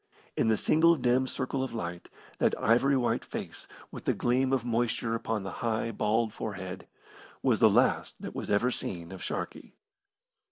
In the single dim circle of light that ivory white face, with the gleam of moisture upon the high, bald forehead, was the last that was ever seen of Sharkey.